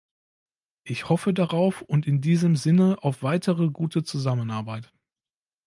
Ich hoffe darauf und in diesem Sinne auf weitere gute Zusammenarbeit.